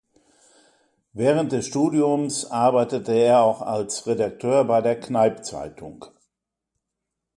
Während des Studiums arbeitete er auch als Redakteur bei der "Kneipp-Zeitung".